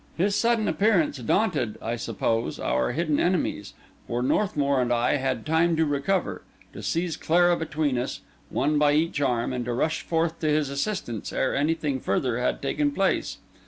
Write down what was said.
His sudden appearance daunted, I suppose, our hidden enemies; for Northmour and I had time to recover, to seize Clara between us, one by each arm, and to rush forth to his assistance, ere anything further had taken place.